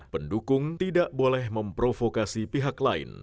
pendukung tidak boleh memprovokasi pihak lain